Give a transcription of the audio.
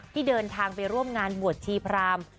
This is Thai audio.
ที่เดินทางไปร่วมงานบวชชีพราม